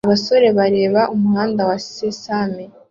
Abasore bareba Umuhanda wa Sesame